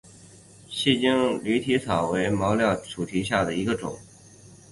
细茎驴蹄草为毛茛科驴蹄草属下的一个种。